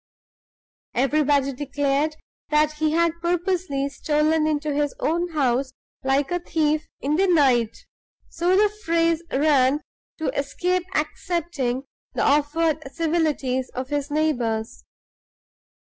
Everybody declared that he had purposely stolen into his own house like a thief in the night (so the phrase ran) to escape accepting the offered civilities of his neighbors.